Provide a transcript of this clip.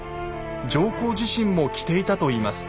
上皇自身も着ていたといいます。